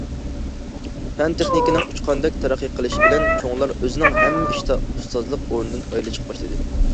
پەن- تېخنىكىنىڭ ئۇچقاندەك تەرەققىي قىلىشى بىلەن چوڭلار ئۆزىنىڭ ھەممە ئىشتا ئۇستازلىق ئورنىدىن ئايرىلىشقا باشلىدى.